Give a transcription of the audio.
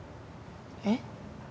えっ？